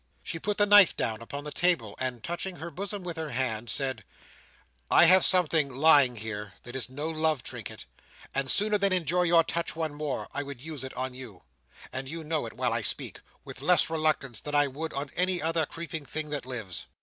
She put the knife down upon the table, and touching her bosom with her hand, said: "I have something lying here that is no love trinket, and sooner than endure your touch once more, I would use it on you—and you know it, while I speak—with less reluctance than I would on any other creeping thing that lives."